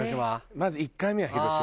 まず１回目は広島。